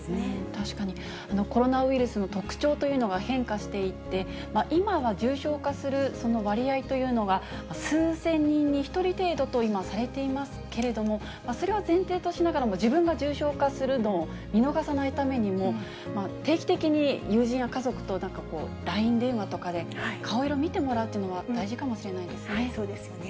確かに、コロナウイルスの特徴というのが変化していって、今は重症化する割合というのが、数千人に１人程度と、今、されていますけれども、それを前提としながらも、自分が重症化するのを見逃さないためにも、定期的に友人や家族となんかこう、ＬＩＮＥ電話とかで、顔色見てもらうというのは大事かもしれないですね。